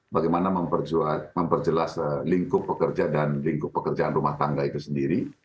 bagaimana memperjelas lingkup pekerja dan lingkup pekerjaan rumah tangga itu sendiri